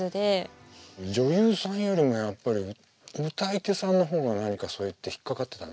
女優さんよりもやっぱり歌い手さんの方が何かそうやって引っ掛かってたの？